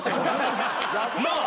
なあ。